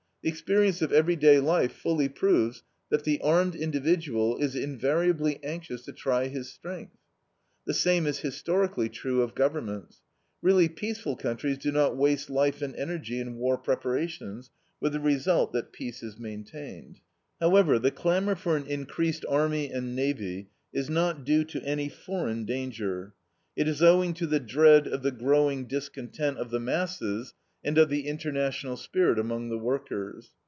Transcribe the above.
The experience of every day life fully proves that the armed individual is invariably anxious to try his strength. The same is historically true of governments. Really peaceful countries do not waste life and energy in war preparations, with the result that peace is maintained. However, the clamor for an increased army and navy is not due to any foreign danger. It is owing to the dread of the growing discontent of the masses and of the international spirit among the workers.